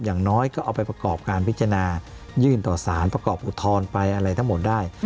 อย่างน้อยก็เอาไปประกอบการพิจารณายื่นต่อสารประกอบอุทธรณ์ไปอะไรทั้งหมดได้